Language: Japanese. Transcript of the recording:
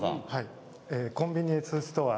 コンビニエンスストア